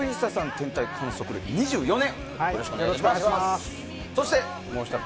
天体観測歴２４年。